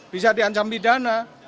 bisa diancam pidana